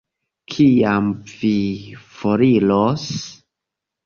Kiam vi foriros?